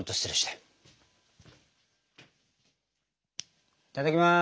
いただきます！